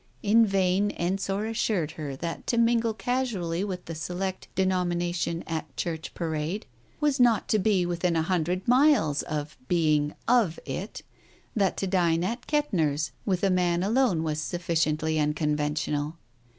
In vain Ensor assured her that to mingle casually with that select denomination at Church Parade, was not to be within a hundred miles of being "of " it : that to dine at Kettner's with a man alone was sufficiently unconventional.